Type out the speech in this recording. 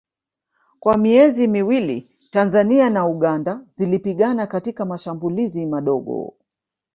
Kwa miezi miwili Tanzania na Uganda zilipigana katika mashambulizi madogo